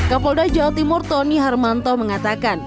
kapolda jawa timur tony harmanto mengatakan